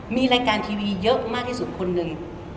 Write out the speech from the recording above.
มีรายการทีวีเยอะมากที่สุดคนหนึ่ง